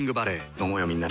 飲もうよみんなで。